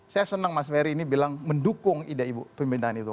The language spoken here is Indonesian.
saya senang mas ferry ini bilang mendukung ide ide pemindahan itu